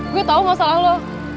gue tau masalah lo